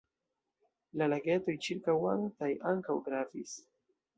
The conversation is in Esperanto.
La lagetoj ĉirkaŭantaj ankaŭ gravis.